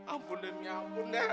ampun deh mi ampun deh